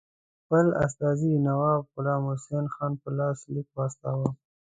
د خپل استازي نواب غلام حسین خان په لاس لیک واستاوه.